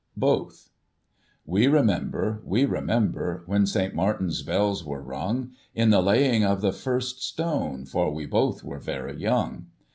Both. We remember, we remember, When St. Martin's bells were rung, In the lapng of the first stone, for We both were very young.